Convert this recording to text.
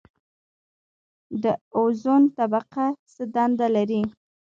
د اوزون طبقه څه دنده لري؟